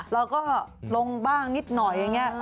เราก็ลงบ้างนิดหน่อย